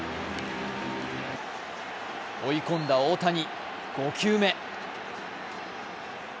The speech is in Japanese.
追い込んだ大谷、５球目。